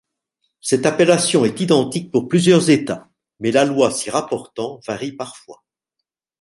Cette appellation est identique pour plusieurs États, mais la loi s'y rapportant varie parfois.